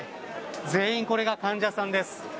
全員これが患者さんです。